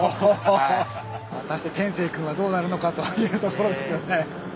果たして天晴くんはどうなるのかというところですよね。